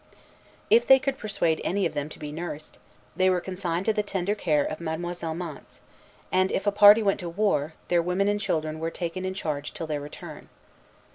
If they could persuade any of them to be nursed, they were consigned to the tender care of Mademoiselle Mance; and if a party went to war, their women and children were taken in charge till their return.